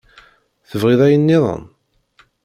Tebɣiḍ ayen nniḍen?